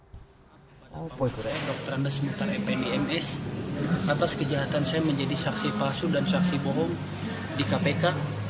pada panggilan dokter anda sementara mpnims atas kejahatan saya menjadi saksi palsu dan saksi bohong di kpk